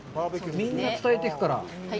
みんな伝えていくから。